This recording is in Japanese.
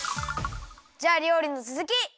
じゃありょうりのつづき！